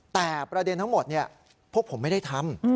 แต่ประเด็นทั้งหมดพวกผมไม่ได้ทำ